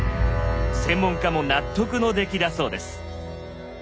専門家も納得の出来だそうです。